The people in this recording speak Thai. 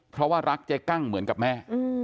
เพราะว่ารักเจ๊กั้งเหมือนกับแม่